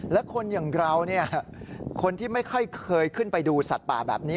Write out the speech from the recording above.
และคนอย่างเราคนที่ไม่ค่อยเคยขึ้นไปดูสัตว์ป่าแบบนี้